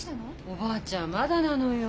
おばあちゃんまだなのよ。